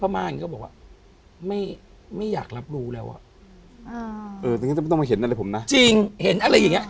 มันทุกข์นะพี่